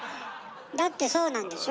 だってそうなんでしょ？